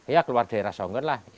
ya keluar daerah songgon lah